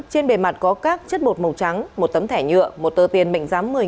trên bề mặt có các chất bột màu trắng một tấm thẻ nhựa một tờ tiền mệnh giám